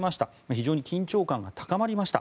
非常に緊張感が高まりました。